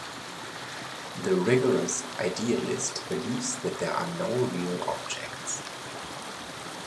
The rigorous idealist believes that there are no real objects.